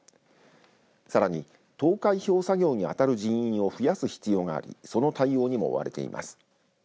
さらに投開票作業にあたる人員を増やす必要がありその対応にも追われています。